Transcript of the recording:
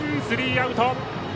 スリーアウト。